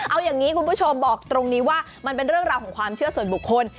เอาอย่างนี้คุณผู้ชมบอกตรงนี้ว่ามันเป็นเรื่องราวของความเชื่อส่วนบุคคล